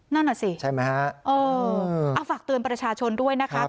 นั่นน่ะสิใช่ไหมฮะเออเอาฝากเตือนประชาชนด้วยนะคะ